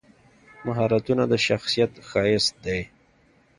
مهارتونه د شخصیت ښایست دی.